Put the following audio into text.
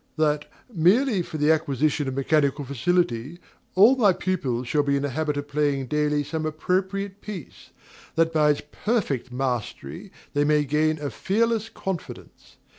that, merely for the acquisition of mechanical facility, all my pupils shall be in the habit of playing daily some appropriate piece, that by its perfect mastery they may gain a fearless confidence.